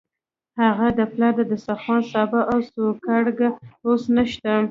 هغه د پلار د دسترخوان سابه او سوکړک اوس نشته.